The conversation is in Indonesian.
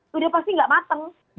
sudah pasti nggak mateng